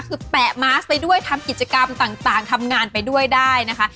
คือแปะมาสไปด้วยทำกิจกรรมต่างทำงานไปด้วยได้นะคะ